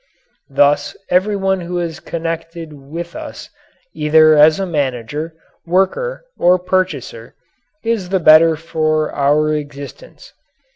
Thus everyone who is connected with us either as a manager, worker, or purchaser is the better for our existence.